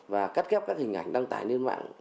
và cắt ghép các hình ảnh đăng tải lên mạng